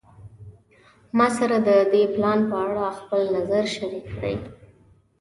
ما سره د دې پلان په اړه خپل نظر شریک کړی